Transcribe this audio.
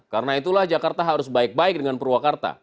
karena itulah jakarta harus baik baik dengan purwakarta